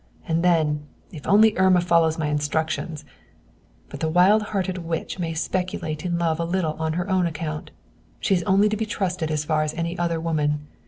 And then, if only Irma follows my instructions. "But the wild hearted witch may speculate in love a little on her own account. She is only to be trusted as far as any other woman."